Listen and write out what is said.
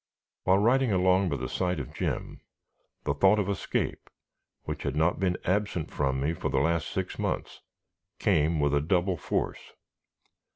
While riding along by the side of Jim, the thought of escape which had not been absent from me for the last six months came with double force.